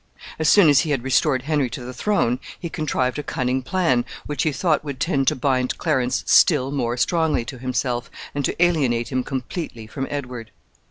As soon as he had restored Henry to the throne, he contrived a cunning plan which he thought would tend to bind Clarence still more strongly to himself, and to alienate him completely from Edward.